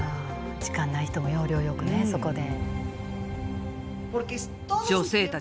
時間ない人も要領よくねそこで。